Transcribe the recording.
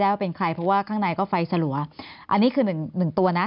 ว่าเป็นใครเพราะว่าข้างในก็ไฟสลัวอันนี้คือหนึ่งหนึ่งตัวนะ